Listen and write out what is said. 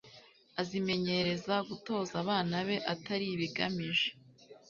azimenyereza gutoza abana be atari ibigamije